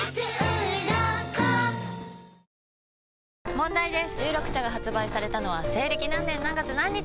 問題です！